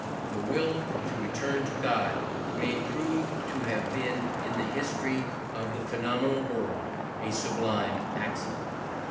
The will to return to God may prove to have been, in the history of the phenomenal world, a sublime accident."